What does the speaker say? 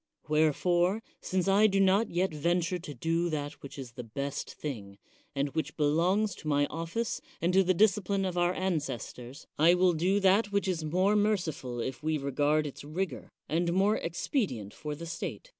Wherefore, since I do not yet venture to do that which is the best thing, and which belongs to my ofl5ce and to the discipline of our ancestors, I will do that which is more merciful if we regard its rigor, and more expedi ent for the State.